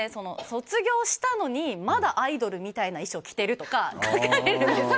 卒業したのにまだアイドルみたいな衣装を着ているとか書かれていて。